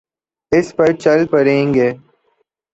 اسی پر چل پڑیں گے۔